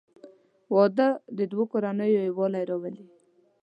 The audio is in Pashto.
• واده د دوه کورنیو یووالی راولي.